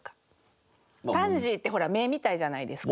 パンジーってほら目みたいじゃないですか。